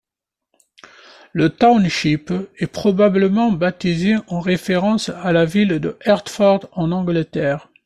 Le township est probablement baptisé en référence à la ville de Hertford en Angleterre.